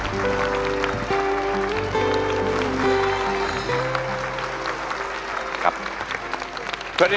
สวัสดีครับคุณพี่